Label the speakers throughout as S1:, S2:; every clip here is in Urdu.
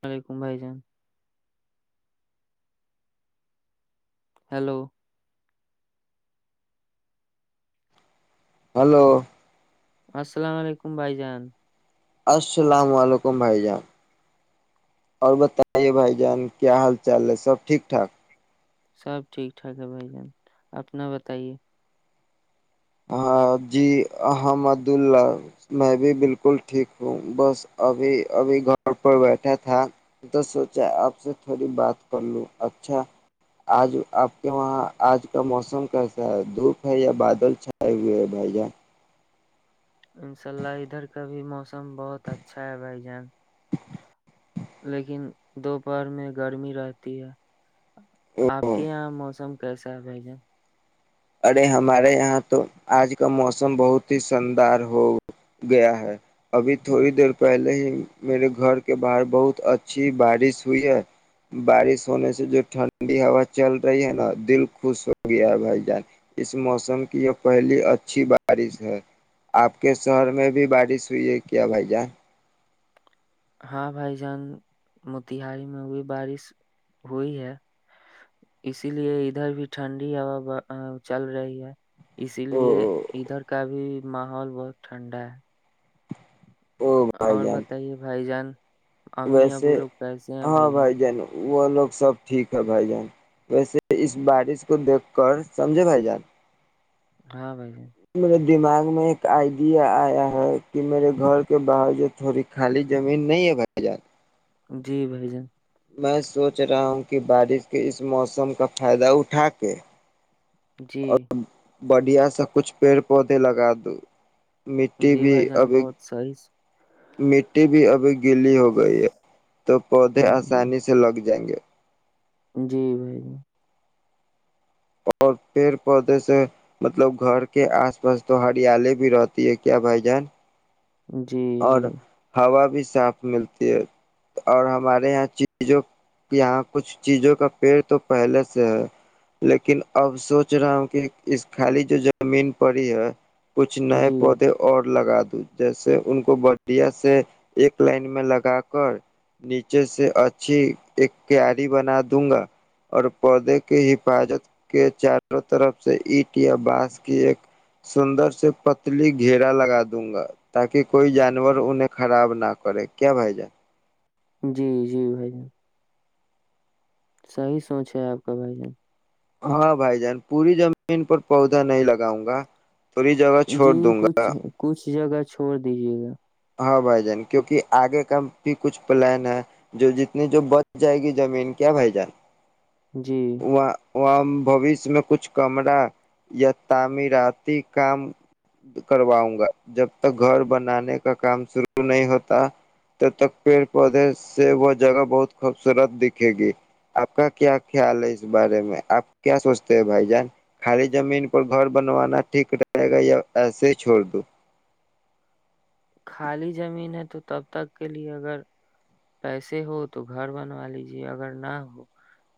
S1: و علیکم بھائی جان ہیلو
S2: ہلو
S1: السلام علیکم بائیجان
S2: السلام علیکم بھائی جان اور بتائیے بھائی جان کیا حال چال ہے سب ٹھیک ٹھاک
S1: سب ٹھیک ٹھاک ہے بھائی جان اپنا بتائیے
S2: ہاں جی الحمد اللہ میں بھی بالکل ٹھیک ہوں بس ابھی ابھی گ پر بیٹھا تھا تو سوچا آپ سے تھوڑی بات کر لوں اچھا آج آپ کے وہاں آج کا موسم کیسا ہے دھوپ ہے یا بادل آ ہوئے ہے بھائی جا
S1: انشاء اللہ ادھر کا بھی موسم بہت اچھا ہے بھائی جان
S2: ہہ
S1: لیکن دوپہر میں گرمی رہتی ہے آپ
S2: جان
S1: کے یہاں موسم کیسا ہے بھجن
S2: ارے ہمارے یہاں تو آج کا موسم بہت ہی شاندار ہو گیا ہے ابھی تھوڑی دیر پہلے ہی میرے گھر کے باہر بہت اچھی بارش ہوئی ہے بارش ہونے سے جو ٹھنڈی ہوا چل رہی ہے نا دل خوش ہو گیا ہے بھائی جان اس موسم کی یہ پہلی اچھی بارش ہے آپ کے شہر میں بھی بارش ہوئی ہے کیا بھائی جان
S1: ہاں بھائی جان موتیہاری میں ہوئی بارش ہوئی ہے اسی لیے ادھر بھی ٹھنڈی ہا چل رہی ہے اسی
S2: او
S1: لیے ادھر کا بھی ماحول بہت ٹھنڈا ہے
S2: او بھائی
S1: اور
S2: جان
S1: بتائیے بھائی جان امی ابو
S2: ویسے
S1: لوگ کیسے ہیں بھائی جان
S2: وہ لوگ سب ٹھیک ہے بھائی جان ویسے اس بارش کو دیکھ کر سمجھے بھائی جان
S1: ہاں بھائی جان
S2: میرے دماغ میں ایک آئیڈیا آیا ہے کہ میرے گھر کے باہر جو تھوڑی خالی زمین نہیں ہے بھائی جان
S1: جی بھائی جان
S2: میں سوچ رہا ہوں کہ بارش کے اس موسم کا فائدہ اٹھا کے
S1: جی
S2: بڑھیا سے کچھ پیڑ پودے لگا دو مٹی
S1: جی
S2: بھی
S1: بھائی جان
S2: ابھی
S1: بہت صحیح
S2: مٹی بھی اب گلی ہو گئی ہے تو پودے آسانی سے لگ جائیں گے
S1: جی بھائی ج
S2: اور پیڑ پودے سے مطلب گھر کے آس پاس تو ہریالی بھی رہتی ہے کیا بھائی جان
S1: جی
S2: اور
S1: جی
S2: ہوا بھی صاف ملتی ہے اور ہمارے یہاں چیزوں یہاں کچھ چیزوں کا پیڑ تو پہلے سے ہے لیکن اب سوچ رہا ہوں کہ اس خالی جو زمین پڑی ہے کچھ نئے
S1: جی
S2: پودے اور لگا دو جیسے ان کو بڑھیا سے ایک لائن میں لگا کر نیچے سے اچھی ایک کیاری بنا دوں گا اور پودے کے حفاظت کے چاروں طرف سے اینٹ یا بانس کی ایک سندر سے پتلی گھیرا لگا دوں گا تاکہ کوئی جانور انہیں خراب نہ کرے کیا بھائی جان
S1: جی جی بھائی جان صحیح سوچ ہے آپ کا بھائی جان
S2: ہاں بھائی جان پوری زمین پر پودا نہیں لگاؤں گا تھوڑی جگہ چھوڑ
S1: جی
S2: دوں
S1: کچھ
S2: گا
S1: کچھ جگہ چھوڑ دیجیے گا
S2: ہاں بھائی جان کیوںکہ آگے کا بھی کچھ پلان ہے جو جتنی جو بچ جائے گی زمین کیا بھائی جان
S1: جی
S2: وہ بوشیہ میں کچھ کمرہ یا تعمیراتی کام کرواؤں گا جب تک گھر بنانے کا کام شروع نہیں ہوتا تب تک پیڑ پودے سے وہ جگہ بہت خوبصورت دکھے گی آپ کا کیا خیال ہے اس بارے میں آپ کیا سوچتے ہیں بھائی جان خالی زمین پر گھر بنوانا ٹھیک رہے گا یا ایسے چھوڑ دو
S1: خالی زمین ہے تو تب تک کے لیے اگر پیسے ہو تو گھر بنوا لیجے اگر نہ ہو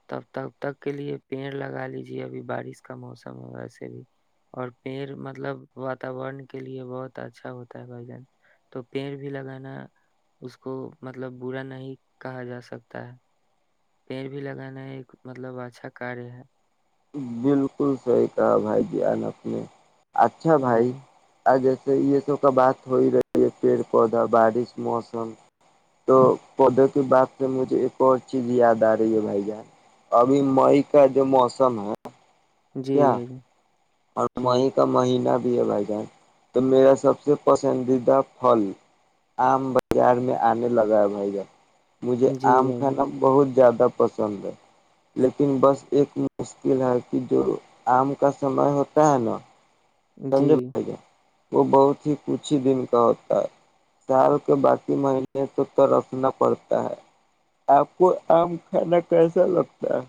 S1: تب تب تک کے لیے پیڑ لگا لیجیے ابھی بارش کا موسم ہے ویسے بھی اور پیڑ مطلب واتاورن کے لیے بہت اچھا ہوتا ہے بھائی جان تو پیڑ بھی لگانا اس کو مطلب برا نہیں کہا جا سکتا ہے پیڑ بھی لگانا ایک مطلب اچھا کاریہ ہے
S2: بالکل صحیح کہا بھائی جان اپ نے اچھا بھائی
S1: جی
S2: اج یہ سب کا بات ہو رہی ہے پیڑ پودا بارش موسم تو پودے کے بات سے مجھے ایک اور چیز یاد آہی ہے بھائی جان ابھی مئی کا جو موسم [inaudible]
S1: جی
S2: کیا
S1: بھائی جان
S2: اور
S1: جی
S2: می کا مہینہ بھائی جان تو میرا سب سے پسندیدہ پھل آم بازار میں آنے لگا ہے بھائی جان مجھے
S1: جی
S2: آم
S1: بھائی
S2: کھانا
S1: جان
S2: بہت زیادہ پسند ہے لیکن بس ایک مشکل ہے کہ جو آم کا سمے ہوتا ہے نا
S1: جی
S2: سمجھو وہ بہت ہی کچھ ہی دن کا ہوتا ہے سال کے باقی مہینے تو ترسنا پڑتا ہے آپ کو آم کھانا کیسا لگتا ہے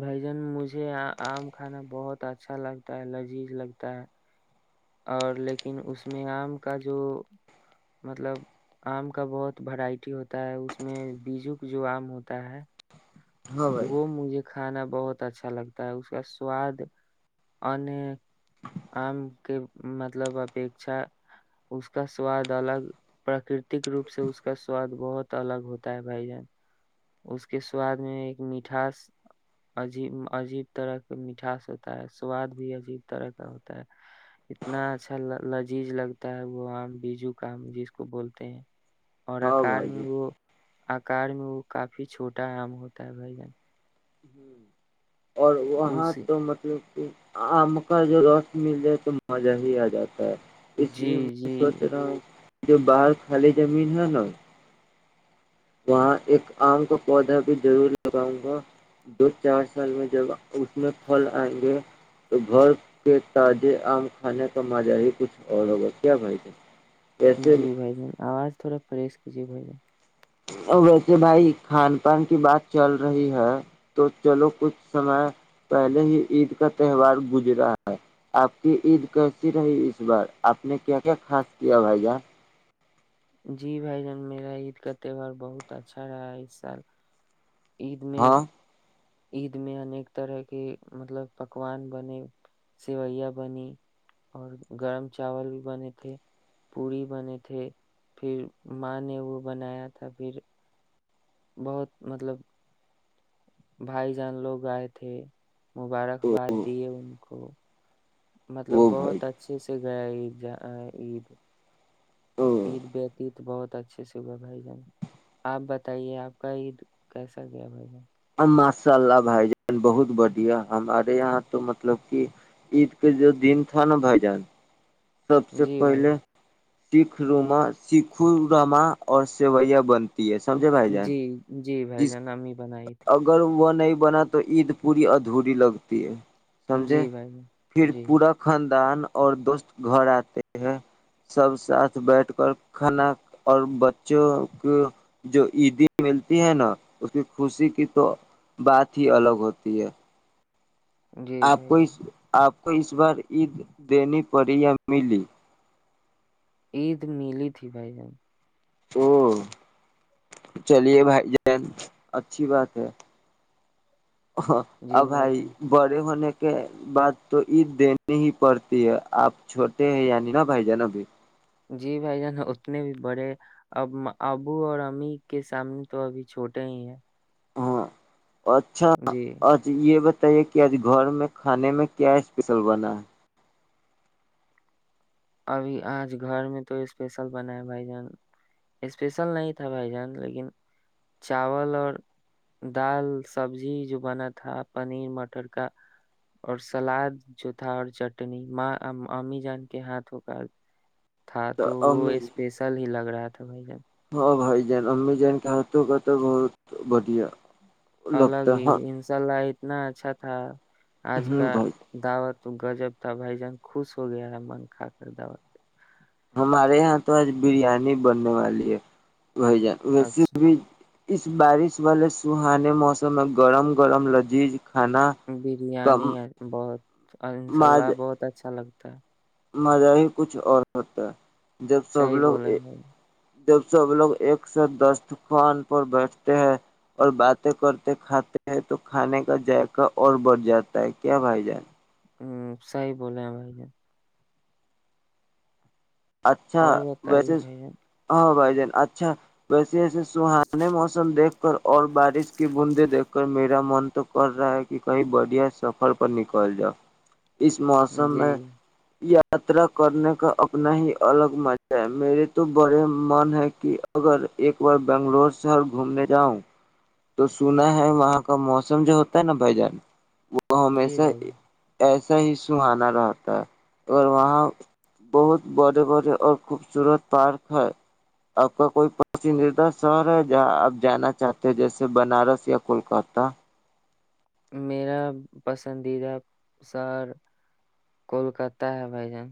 S1: بھائی جان مجھے آم کھانا بہت اچھا لگتا ہے لذیذ لگتا ہے اور لیکن اس میں آم کا جو مطلب آم کا بہت وورائٹی ہوتا ہے اس میں بیجو کا جو آم ہوتا ہے
S2: ہاں بھائی
S1: وہ مجھے کھانا بہت اچھا لگتا ہے اس کا سواد ان آم کے مطلب اپیھا اس کا سواد الگ پراکرتک روپ سے اس کا سواد بہت الگ ہوتا ہے بھائی جان اس کے سواد میں مٹھاس عجب عجیب طرح کا مٹھاس ہوتا ہے سواد بھی عجیب طرح کا ہوتا ہے اتنا اچھا لذیذ لگتا ہے وہ آم بیجو کا آم جس کو بولتے ہیں اور
S2: ہاں
S1: آکار
S2: بھائی
S1: میں
S2: ج
S1: وہ آکار میں وہ کافی چھوٹا آم ہوتا تا بھائی جان
S2: ہوں اور وہاں
S1: اسی
S2: تو مطلب آم کا جو رس مل جائے تو مزہ ہی آ جاتا اس
S1: جی
S2: لیے میں
S1: جی
S2: سوچ رہا ہوں جو باہر خالی زمین ہے نا وہاں ایک آم کا پودا بھی ضرور لگاؤں گا دو چار سال میں جب اس میں پھل آئیں گے تو گھر کے تازے آم کھانے کا مزہ ہی کچھ اور ہوگا کیا بھائی ج
S1: جی بھائی جان آواز تھوڑا فریش یہیے بائیا
S2: ا ویسے بھائی کھان پان کی بات چل رہی ہے تو چلو کچھ سمے پہلے ہی عید کا تہوار گزرا ہے آپ کی عید کیسی رہی اس بار آپ نے کیا کیا خاص کیا بھائی جان
S1: جی بھائی جان میرا عید کا تہوار بہت اچھا رہا ہے اس سال عید میں
S2: ہاں
S1: عید میں انیک طرح کے مطلب پکوان بنے سیویاں بنی اور گرم چاول بھی بنے تھے پوڑی بنے تھے پھر ماں نے وہ بنایا تھا پھر بہت مطلب بھائی جان لوگ آئے تھے مبارکباد دیے ان کو مطلب
S2: وہ
S1: بہت
S2: بھائی
S1: اچھے سے ا عید ج عید عید بتیید تو بہت اچھے سے ہوئے بھائی جان آپ بتائیے آپ کا عید کیسا گیا بھائی جان
S2: ماشاء اللہ بھائی جان بہت بڑھیا ہمارے یہاں تو مطلب کہ عید کے جو دن تھا نا بھائی جان سب سے
S1: جی بھائی
S2: پہلے
S1: جان
S2: سکھ روما سکھ رما اور سیویا بنتے تی ہے سمجھے بھائی جان
S1: جی جی بھائی
S2: جس
S1: جانا امی بنائی ت
S2: اگر وہ نہیں بنا تو عید پوری ادھوری لگتی ہے
S1: تھی
S2: سمجھے
S1: جی بھائی جان
S2: پھر
S1: جی
S2: پورا کند ان اور دوست گھر آتے ہیں سب ساتھ بیٹھ کر کھانا اور بچوں کو جو عیدی ملتی ہے نا اس کی خوشی کی تو بات ہی الگ ہوتی ہے
S1: جی
S2: آپ
S1: بھائی
S2: کو
S1: جان
S2: اس آپ کو اس بار عید دینی پرڑ یہ ملی
S1: عید ملی تھی بھائی جان
S2: او چلیے بھائی جین اچھی بات ہے اور
S1: جی
S2: بھائی
S1: جان
S2: بڑے ہونے کے بات تو عید دینی ہی پڑتی ہے آپ چھوٹے ہیں یعنی نا بھائی جان ابھی
S1: جی بھائی جان اتنے بھی بڑے اب ابو اور امی کے سامنے تو ابھی چھوٹے ہی ہیں
S2: ہاں اچھا
S1: جی
S2: یہ ب ے کہ آج گھر میں کھانے میں کیا اسپیشل بنا ہے
S1: ابھی آج گھر میں تو اسپیشل بنا ہے بھائی جان اسپیشل نہیں تھا بھائی جان لیکن چاول اور دال سبزی جو بنا تھا پنیر مٹر کا اور سلاد جو تھا اور چٹنی ماں امی جان کے ہاتھ تھکال [unintelligible] تھا تو وہ اسپیشل ہی لگ رہا تھا توبہائی ج
S2: ا بائی جین اممی جین کے ہاتوں کا تو بہت بڑھیا
S1: الگ
S2: لگتا
S1: ہی
S2: ہے
S1: انساء اللہ آ نہ اچھا تھا آج
S2: ہ
S1: کا
S2: بھائی
S1: دعوت تو گجب تھا بھائی جان خوش ہو گیا ہے من کھا کر دا
S2: ہمارے یہاں تو آج بریانی بننے والی ہے وہی جائے ویس
S1: اچھا
S2: بھی اس بارش والے سہانے موسم میں گرم گرم لذیذ کھانا کا
S1: بریانی بہت ان شاء
S2: ماز
S1: اللہ بہت اچھا لگتا تھا
S2: مزہ ہی کچھ اور ستا ہے جب سب
S1: صحیح
S2: لوگ
S1: بولے
S2: ا
S1: ہیں بھائی جان،
S2: جب سب لوگ ایک س دستخوان پر بیٹھتے ہیں اور باتیں کرتے کھاتے ہیں تو کھانے کا ذائقہ اور بڑھ جاتا ہے کیا بھائی جان
S1: ہ صی بولے ہیں بھائی ج
S2: اچھا
S1: اور
S2: ویسے
S1: بتائیے بھائی
S2: ہاں بھائی اچھا ویس ے سہانے موسم دیکھ اور بارش کی بندیں دیکھ کر میرا من تو کر رہا ہے کہ کہیں بڑیا سفر پر نکل جاؤ اس
S1: جان
S2: موسم
S1: جی
S2: میں
S1: جی
S2: یا یاترا کرنے کا اپنا ہی الگ مزہ ہے میرے تو بڑے من ہے کہ اگر ایک بار بنگلور شہر گھومنے جاؤں تو سنا ہے وہاں کا موسم جو ہوتا ہے نا بھائی جان وہ ہمیشہ
S1: بھائی جان۔
S2: ایس صحیح سہانا رہتا ہے اور وہاں بہت بڑے بڑے اور خوبصورت پارک ہے آپ کا کوئی پسندیدہ شہر ہے جہاں آپ جانا چاہتے ہیں جیسے بنارس یا کولکاتہ
S1: میرا پسندیدہ شہر کولکاتہ ہے بھائی جان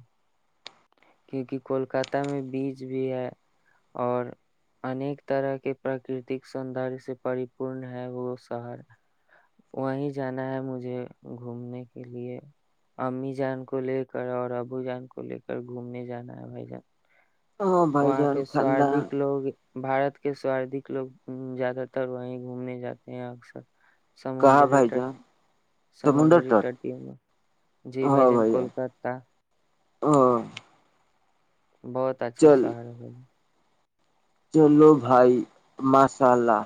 S1: کیونکہ کولکات میں بیچ بھی ہے اور انیک طرح کے پراکرتک سوندر سے پری پورن ہے وہ شہر وہیں جانا ہے مجھے گھومنے کے لیے امی جان کو لے کر اور ابو جان کو لے کر اور گھومنے جانا ہے بھ جان
S2: وہ بائی جان خانا
S1: بارت کے سودھک لوگ زیادہ تر وہیں گھومنے جاتے ہیں اکثر
S2: کہاں
S1: سمندری
S2: بھائی جان سمندر
S1: سمندری
S2: تٹ
S1: ٹی میں جی بائی جان کولکا
S2: ہ
S1: بہت اچھا شہر ہے ب
S2: چلو بھائی ماشاء اللہ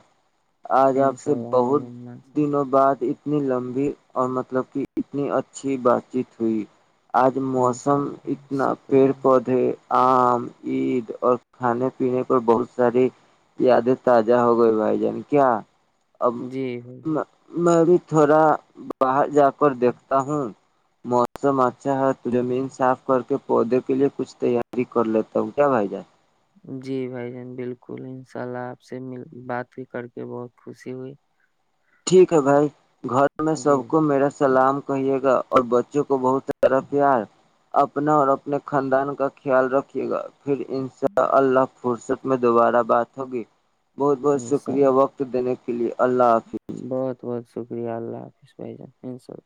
S2: آج آپ
S1: انشاء
S2: سے
S1: اللہ بھائی
S2: بہت
S1: جان ماشاء اللہ،
S2: دنوں بعد ا اتنی لمبی اور مطلب کہ اتنی اچھی بات چیت ہوئی آج
S1: انشاء
S2: موسم
S1: اللہ
S2: اتنا
S1: شکریہ
S2: پیڑ پودے عم عید اور کھانے پینے بہت ساری یادیں تازہ ہو گئی بھائی جان کیا اب
S1: جی بھائی
S2: میں میں بھی تھوڑا باہر جا کر دیکھتا ہوں موسم اچھا ہے تو زمین صاف کر کے پودے کے لیے کچھ تیاری کر لیتا ہوں کیا بھائی جان
S1: جی بھائی جان بالکل ان شاء اللہ آپ سے م بات بھی کر کے بہت خوشی ہوئی
S2: ٹھیک ہے بھائی گھر میں سب
S1: جی
S2: کو میرا
S1: ٹھیک
S2: سلام کہیے گا اور بچوں کو بہت سارا پیار اپنا اور اپنے خاندان کا خیال رککھے گا پھر ان شاء اللہ فرصت میں دوبارہ بات ہوگی بہت بہت
S1: انشاء
S2: شکریہ
S1: اللہ
S2: وقت دینے کا کے لیے اللہ حافظ
S1: بہت بہت شکریہ اللہ حافظ بائی جان اناءلہ